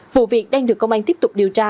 vụ việc đang được công an tiếp tục điều tra xử lý